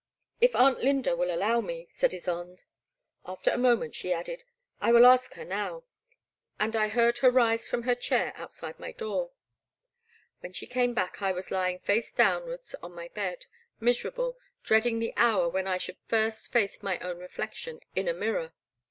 If Aunt Lynda will allow me, said Ysonde. After a moment she added : I will ask her now ; and I heard her rise from her chair outside my door. When she came back, I was lying face down wards on my bed, miserable, dreading the hour when I should first face my own reflection in a mirror.